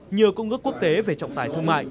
nhờ công ước quốc tế về trọng tài thương mại